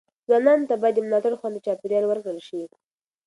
ځوانانو ته باید د ملاتړ خوندي چاپیریال ورکړل شي.